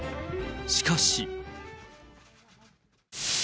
しかし。